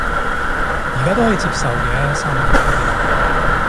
而家都可以接受嘅，三晚酒店